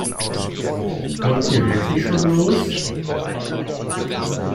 Wollt ihr wirklich schon los?